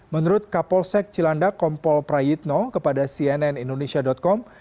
menurut kapolsek cilandak kompol prayitno kepada cnn indonesia com